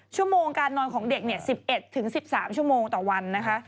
ชั่วโมงการนอนของเด็ก๑๑๑๑๓ชั่วโมงต่อวันนะคะ